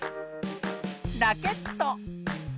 ラケット。